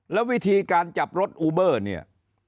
แล้ววิธีการจับรถอูเบอร์เนี่ย